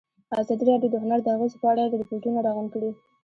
ازادي راډیو د هنر د اغېزو په اړه ریپوټونه راغونډ کړي.